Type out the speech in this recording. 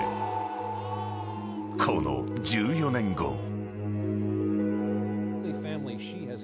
［この１４年後］